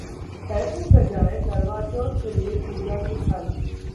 ऐसे सजाएं करवा चौथ के लिए पूजा की थाली...